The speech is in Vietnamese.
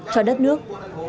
cho đất nước